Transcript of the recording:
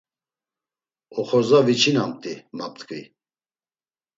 Oxorza viçinamt̆i, ma p̌t̆ǩvi.